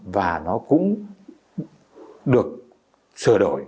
và nó cũng được sửa đổi